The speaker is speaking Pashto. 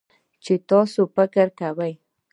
چې تاسو فکر کوئ